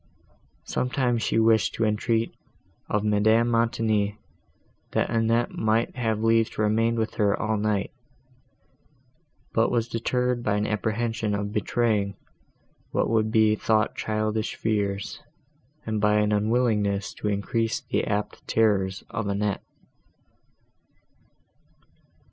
Sometimes she wished to entreat of Madame Montoni, that Annette might have leave to remain with her all night, but was deterred by an apprehension of betraying what would be thought childish fears, and by an unwillingness to increase the apt terrors of Annette.